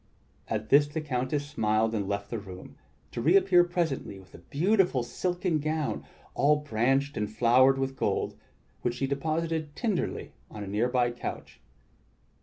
At this the Countess smiled and left the room, to reappear pres ently with a beautiful silken gown all branched and flowered with gold, which she deposited tenderly on a near by couch.